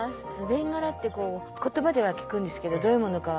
ベンガラって言葉では聞くんですけどどういうものか。